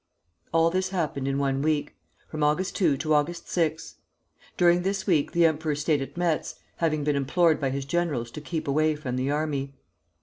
All this happened in one week, from August 2 to August 6. During this week the emperor stayed at Metz, having been implored by his generals to keep away from the army.